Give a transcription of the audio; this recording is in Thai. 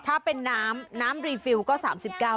ถ้าเป็นน้ำน้ำรีฟิลก็๓๙บาท